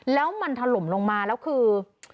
แล้วมันถล่มลงมาแล้วคือ